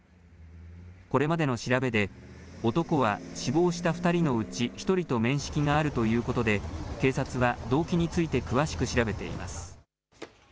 これまでの調べで男は死亡した２人のうち１人と面識があるということで警察は動機について詳しく調べています。